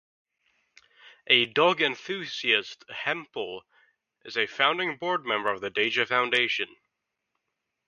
A dog enthusiast, Hempel is a founding board member of the Deja Foundation.